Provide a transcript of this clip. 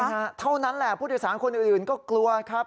ฮะเท่านั้นแหละผู้โดยสารคนอื่นก็กลัวครับ